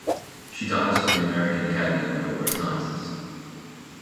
She dives for the American Academy of Underwater Sciences.